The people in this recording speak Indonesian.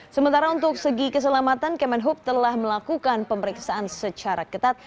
sementara untuk segi keselamatan kemenhub telah melakukan pemeriksaan secara ketat